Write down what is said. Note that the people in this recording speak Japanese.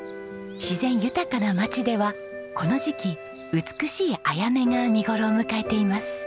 自然豊かな街ではこの時期美しいアヤメが見頃を迎えています。